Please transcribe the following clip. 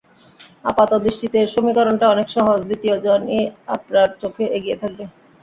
আপাত দৃষ্টিতে সমীকরণটা অনেক সহজ, দ্বিতীয় জনই আপনার চোখে এগিয়ে থাকবে।